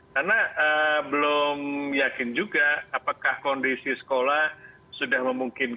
karena belum yakin juga apakah kondisi sekolah sudah memungkinkan